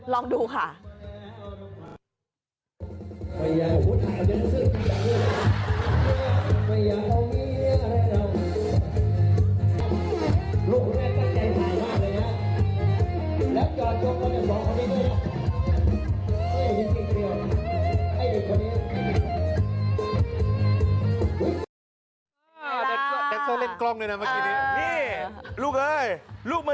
ลองดูค่ะ